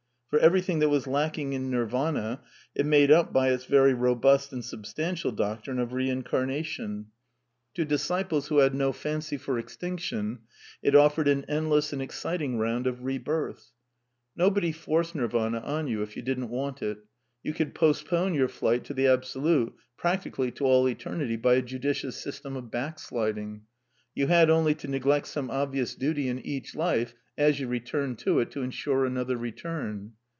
For everything that was lacking in Nirvana it made up by its very robust and substantial doctrine of Beincamation. To disciples 882 A DEFENCE OF IDEALISM who had no fancy for extinction, it offered an endless and exciting round of rebirths. Nobody forced Nirvana on you if you didn't want it. You could postpone your flight to the Absolute practically to all eternity by a judicious system of backsliding. You had only to neglect some ob vious duty in each life as you returned to it to ensure another return.